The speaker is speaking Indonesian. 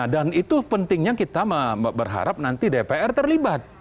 dan itu pentingnya kita berharap nanti dpr terlibat